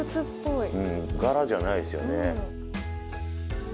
うん柄じゃないですよね。